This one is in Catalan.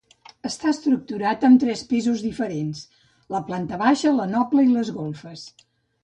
Està estructurat amb tres pisos diferents: la planta baixa, la noble i les golfes.